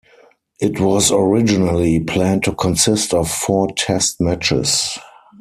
It was originally planned to consist of four Test matches.